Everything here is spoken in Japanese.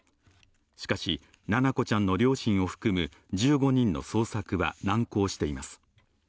しかし七菜子ちゃんの両親を含む１５人の捜索は難航しています。